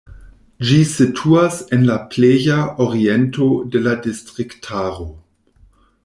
Ĝi situas en la pleja oriento de la distriktaro.